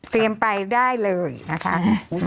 เตรียมไปได้เลยนะคะ